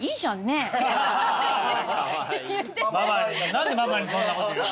ママに何でママにそんなこと言うの？